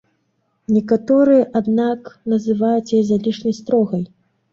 Некаторыя, аднак, называюць яе залішне строгай.